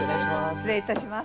失礼いたします。